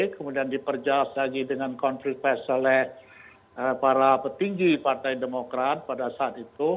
kemudian diperjelas lagi dengan konflik pes oleh para petinggi partai demokrat pada saat itu